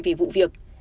về vụ việc